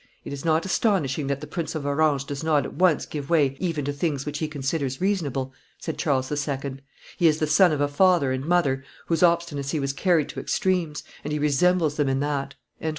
"It is not astonishing that the Prince of Orange does not at once give way even to things which he considers reasonable," said Charles II., "he is the son of a father and mother whose obstinacy was carried to extremes; and he resembles them in that."